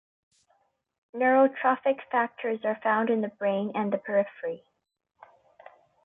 Neurotrophic factors are found in the brain and the periphery.